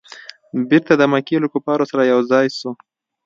بیرته د مکې له کفارو سره یو ځای سو.